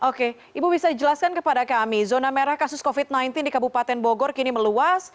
oke ibu bisa jelaskan kepada kami zona merah kasus covid sembilan belas di kabupaten bogor kini meluas